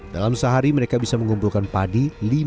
dalam sehari mereka bisa mengumpulkan padi lima sepuluh